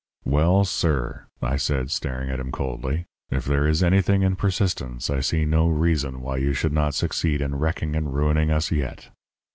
"'Well, sir,' I said, staring at him coldly, 'if there is anything in persistence, I see no reason why you should not succeed in wrecking and ruining us yet.'